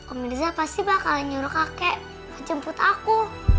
om mirza pasti bakalan nyuruh kakek jemput aku